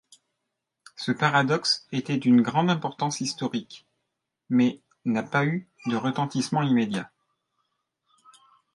Ce paradoxe était d'une grande importance historique, mais n'a pas eu de retentissement immédiat.